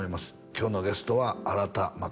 今日のゲストは新田ま